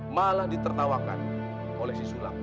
malah ditertawakan oleh sisulah